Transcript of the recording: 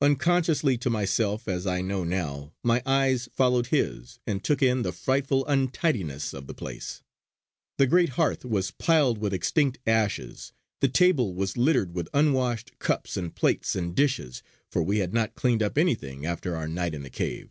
Unconsciously to myself, as I know now, my eyes followed his and took in the frightful untidiness of the place. The great hearth was piled with extinct ashes; the table was littered with unwashed cups and plates and dishes, for we had not cleared up anything after our night in the cave.